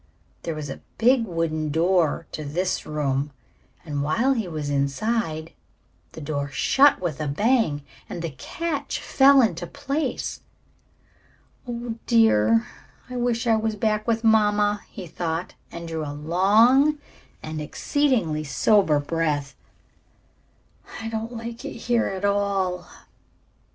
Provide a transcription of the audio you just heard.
There was a big wooden door to this room, and while he was inside the door shut with a bang and the catch fell into place. "Oh, dear, I wish I was back with mamma," he thought, and drew a long and exceedingly sober breath. "I don't like it here at all."